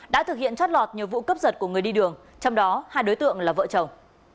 đã thực hiện chót lọt nhiều vụ cướp giật của người đi đường trong đó hai đối tượng là vợ chồng